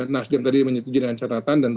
nasca yang tadi menyetujui dengan catatan